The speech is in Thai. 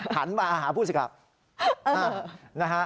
หันมาหาผู้สึกข่าว